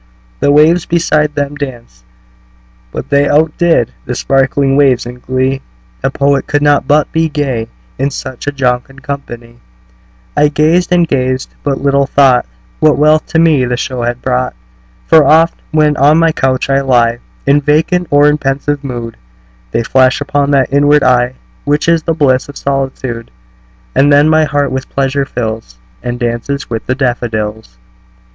The waves beside them danced; but they Outdid the sparkling waves in glee; A poet could not but be gay, In such a jocund company; I gazed and gazed but little thought What wealth to me the show had brought: For oft, when on my couch I lie In vacant or in pensive mood, They flash upon that inward eye Which is the bliss of solitude; And then my heart with pleasure fills, And dances with the daffodils.